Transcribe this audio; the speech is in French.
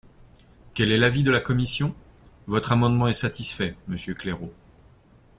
Quel est l’avis de la commission ? Votre amendement est satisfait, monsieur Claireaux.